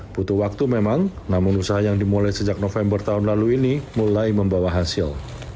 butuh waktu memang namun usaha yang dimulai sejak november tahun lalu ini mulai membawa hasil